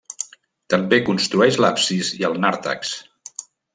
També construeix l’absis i el nàrtex.